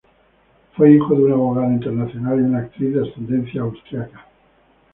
Fue hijo de un abogado internacional y una actriz de ascendencia austriaca.